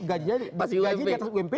gajinya masih gaji di atas ump